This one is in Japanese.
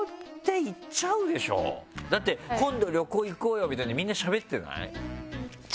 だって「今度旅行行こうよ」みたいにみんなしゃべってない？